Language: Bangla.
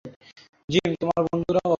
জিম, তোমার বন্ধুরা অদ্ভুত।